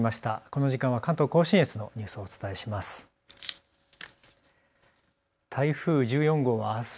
この時間は関東甲信越のニュースをお伝えします。